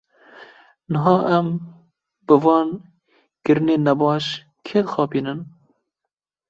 Niha em, bi van kirinên nebaş kê dixapînin?